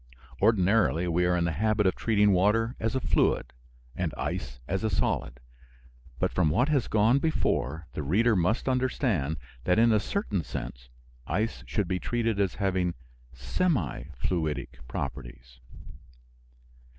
Ordinarily we are in the habit of treating water as a fluid and ice as a solid, but from what has gone before the reader must understand that in a certain sense ice should be treated as having semi fluidic properties.